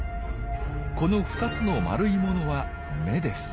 この２つの丸いものは眼です。